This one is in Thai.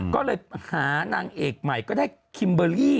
ก็เลยหานางเอกใหม่ก็ได้คิมเบอร์รี่